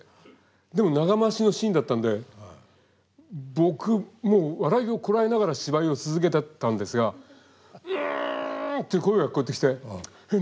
でも長回しのシーンだったんで僕もう笑いをこらえながら芝居を続けてったんですが「うん」っていう声が聞こえてきてえっ